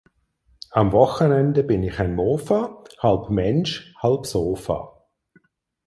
Am Wochenende bin ich ein Mofa, halb Mensch, halb Sofa.